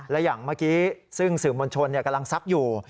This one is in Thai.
และอย่างเมื่อกี้ซึ่งสื่อมวลชนกำลังซักอยู่